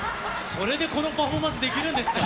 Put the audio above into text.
それで、このパフォーマンスできるんですか？